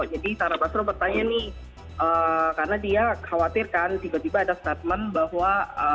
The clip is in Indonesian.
jadi tara basro bertanya nih karena dia khawatirkan tiba tiba ada statement bahwa